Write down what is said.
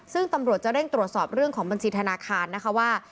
ซึ่งตำรวจจะเร่งตรวจสอบเรื่องของบัญชีธนาคารนะคะว่า